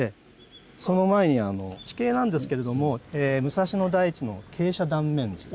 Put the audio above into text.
その前に地形なんですけれども武蔵野台地の傾斜断面図。